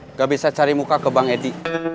nggak bisa cari muka ke bang edi